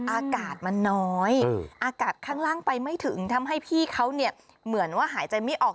อากาศมันน้อยอากาศข้างล่างไปไม่ถึงทำให้พี่เขาเนี่ยเหมือนว่าหายใจไม่ออก